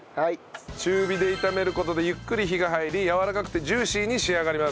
中火で炒める事でゆっくり火が入りやわらかくてジューシーに仕上がります。